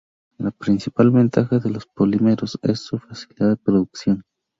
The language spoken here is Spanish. La principal ventaja de los polímeros es su facilidad de producción.